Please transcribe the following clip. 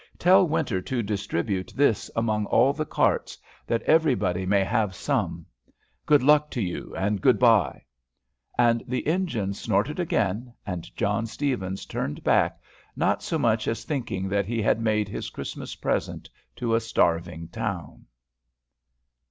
"Tell Winter to distribute this among all the carts, that everybody may have some. Good luck to you. Good by!" And the engines snorted again, and John Stevens turned back, not so much as thinking that he had made his Christmas present to a starving town.